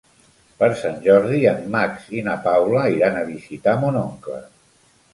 Per Sant Jordi en Max i na Paula iran a visitar mon oncle.